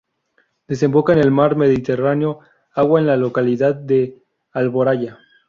Desemboca en el mar Mediterráneo agua en la localidad de Alboraya.